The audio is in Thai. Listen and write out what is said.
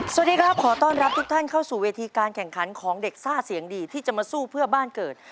สวัสดีครับขอต้อนรับทุกท่านเข้าสู่เวทีการแข่งขันของเด็กซ่าเสียงดีที่จะมาสู้เพื่อบ้านเกิด